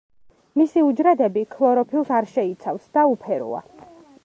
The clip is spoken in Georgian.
მისი უჯრედები ქლოროფილს არ შეიცავს და უფეროა.